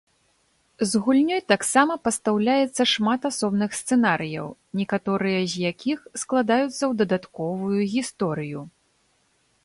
З гульнёй таксама пастаўляецца шмат асобных сцэнарыяў, некаторыя з якіх складаюцца ў дадатковую гісторыю.